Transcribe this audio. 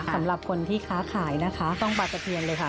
สำหรับคนที่ค้าขายนะคะต้องปลาตะเพียนเลยค่ะ